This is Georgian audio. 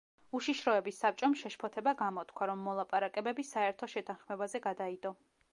უშიშროების საბჭომ შეშფოთება გამოთქვა, რომ მოლაპარაკებები საერთო შეთანხმებაზე გადაიდო.